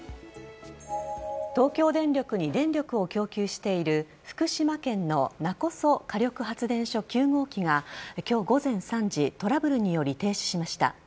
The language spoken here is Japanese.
東京電力に電力を供給している福島県の勿来火力発電所９号機が今日午前３時トラブルにより停止しました。